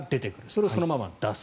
それをそのまま出す。